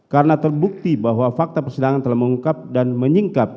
karena terbukti bahwa fakta persidangan telah mengungkap dan menyingkap